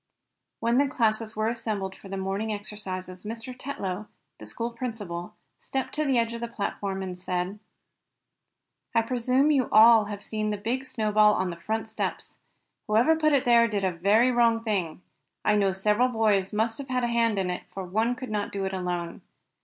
When the classes were assembled for the morning exercises Mr. Tetlow, the school principal, stepped to the edge of the platform, and said: "I presume you have all seen the big snow ball on the front steps. Whoever put it there did a very wrong thing. I know several boys must have had a hand in it, for one could not do it alone.